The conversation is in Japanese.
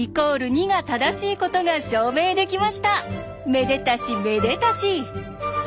めでたしめでたし。